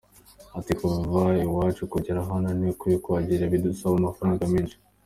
Ati “ Kuva iwacu kugera hano ni kure kuhagera bidusaba amafaranga menshi.